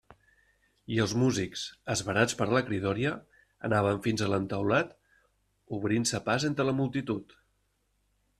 I els músics, esverats per la cridòria, anaven fins a l'entaulat obrint-se pas entre la multitud.